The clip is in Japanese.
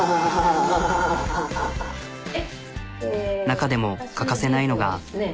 中でも欠かせないのが。